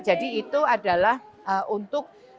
jadi itu adalah untuk bagaimana juga untuk usaha